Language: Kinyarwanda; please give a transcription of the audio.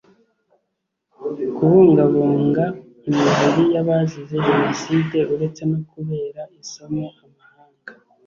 Kubungabunga imibiri y’abazize Jenoside uretse no kubera isomo amahanga